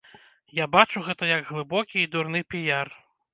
Я бачу гэта як глыбокі і дурны піяр.